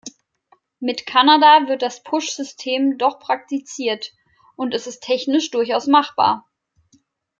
Mit Kanada wird das Push-System doch praktiziert, und es ist technisch durchaus machbar.